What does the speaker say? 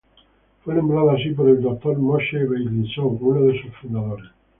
Fue nombrado así por el Dr. Moshe Beilinson, uno de sus fundadores.